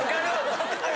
分かる！